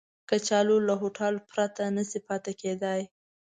کچالو له هوټل پرته نشي پاتې کېدای